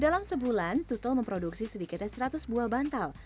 dalam sebulan tutol memproduksi sedikit dari seratus buah bantal